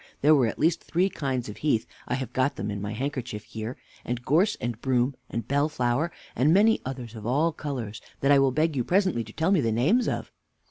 There were at least three kinds of heath (I have got them In my handkerchief here), and gorse, and broom, and bellflower, and many others of all colors, that I will beg you presently to tell me the names of.